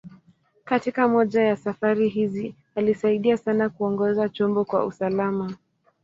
Katika moja ya safari hizi, alisaidia sana kuongoza chombo kwa usalama.